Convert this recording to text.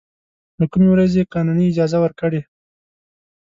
له کومې ورځې یې قانوني اجازه ورکړې.